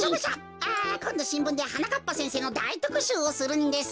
あこんどしんぶんではなかっぱせんせいのだいとくしゅうをするんです。